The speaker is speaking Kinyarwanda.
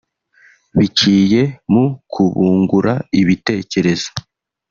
biciye mu kubungura ibiterekezo